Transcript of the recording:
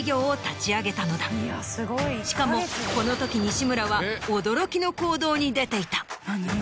しかもこの時西村は驚きの行動に出ていた。